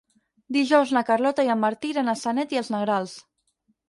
Dijous na Carlota i en Martí iran a Sanet i els Negrals.